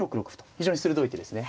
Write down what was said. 非常に鋭い手ですね。